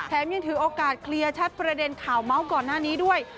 ยังถือโอกาสเคลียร์ชัดประเด็นข่าวเมาส์ก่อนหน้านี้ด้วย